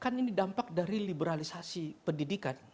kan ini dampak dari liberalisasi pendidikan